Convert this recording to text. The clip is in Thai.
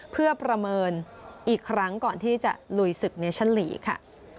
เพื่อประเมินอีกครั้งก่อนที่จะลุยศึกเนชั่นลีค่ะ